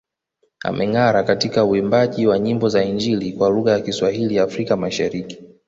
Amengara katika uimbaji wa nyimbo za Injili kwa lugha ya Kiswahili Afrika ya Mashariki